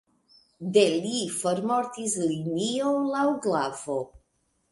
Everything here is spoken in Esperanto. De li formortis linio laŭ glavo.